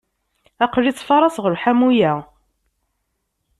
Aql-i ttfaraṣeɣ lḥamu-ya.